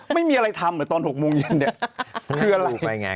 ไม่มีอะไรทำเหรอตอน๖โมงเย็นเนี่ย